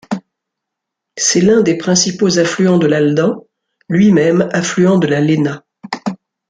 C'est l'un des principaux affluents de l'Aldan, lui-même affluent de la Léna.